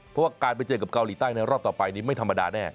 เพราะว่าการไปเจอกับเกาหลีใต้ในรอบต่อไปนี้ไม่ธรรมดาแน่